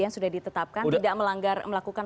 sudah ditetapkan tidak melakukan